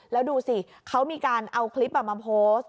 แล้วดูสิเขามีการเอาคลิปมาโพสต์